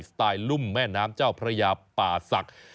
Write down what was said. ไตล์ลุ่มแม่น้ำเจ้าพระยาป่าศักดิ์